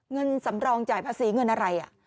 เงินสำรองจ่ายภาษีเงินอะไร